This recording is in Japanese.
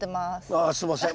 ああすいません。